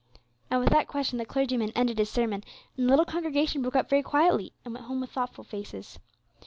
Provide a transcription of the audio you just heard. And with that question the clergyman ended his sermon, and the little congregation broke up very quietly, and went home with thoughtful faces.